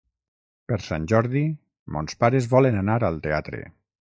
Per Sant Jordi mons pares volen anar al teatre.